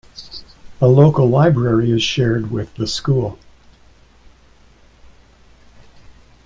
A local library is shared with the school.